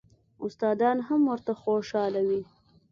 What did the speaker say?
استادان هم ورته خوشاله وي.